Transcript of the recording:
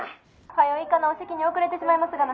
「はよ行かなお式に遅れてしまいますがな」。